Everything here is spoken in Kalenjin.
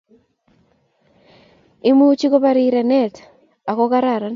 Imuchi kobo rirenet ako kararan